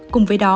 cùng với đó